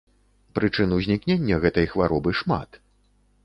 Прычын узнікнення гэтай хваробы шмат.